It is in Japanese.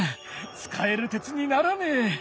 使える鉄にならねえ。